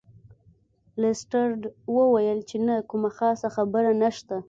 لیسټرډ وویل چې نه کومه خاصه خبره نشته.